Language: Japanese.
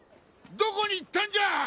どこに行ったんじゃ！？